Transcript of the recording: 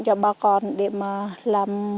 cho ba con để mà làm